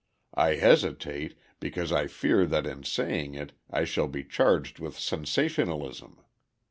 I hesitate, because I fear that in saying it I shall be charged with sensationalism.